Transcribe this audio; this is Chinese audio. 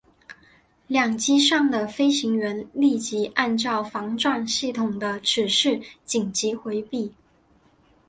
两机上的飞行员立即按照防撞系统的指示紧急回避。